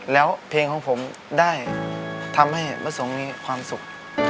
แล้วเพลงของผมได้ทำให้พระสงฆ์มีความสุข